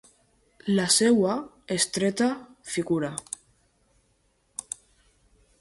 La seua estreta figura.